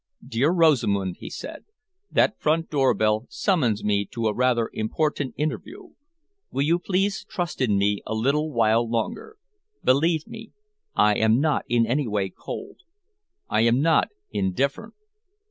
"Dear Rosamund," he said, "that front doorbell summons me to rather an important interview. Will you please trust in me a little while longer? Believe me, I am not in any way cold. I am not indifferent.